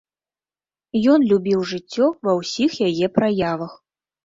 Ён любіў жыццё ва ўсіх яе праявах.